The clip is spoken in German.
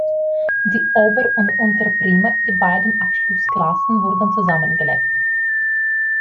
Die Ober- und Unterprima, die beiden Abschlussklassen, wurden zusammengelegt.